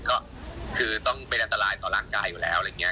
ก็คือต้องเป็นอันตรายต่อร่างกายอยู่แล้วอะไรอย่างนี้